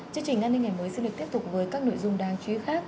chương trình an ninh ngày mới xin được tiếp tục với các nội dung đáng chú ý khác